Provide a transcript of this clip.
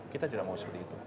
kita tidak mau seperti itu